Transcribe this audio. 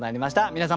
皆様